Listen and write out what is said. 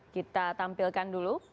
kita tampilkan dulu